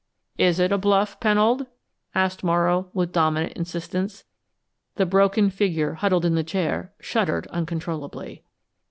"Is it a bluff, Pennold?" asked Morrow, with dominant insistence. The broken figure huddled in the chair shuddered uncontrollably.